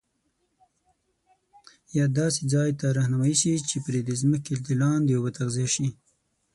یا داسي ځاي ته رهنمایی شي چي پري د ځمکي دلاندي اوبه تغذیه شي